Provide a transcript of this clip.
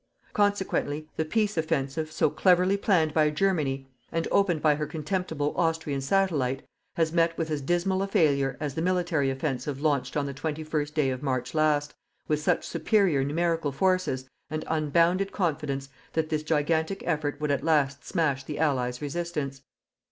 Consequently, the peace offensive, so cleverly planned by Germany and opened by her contemptible Austrian satellite, has met with as dismal a failure as the military offensive launched on the twenty first day of March last, with such superior numerical forces, and unbounded confidence that this gigantic effort would at last smash the Allies' resistance.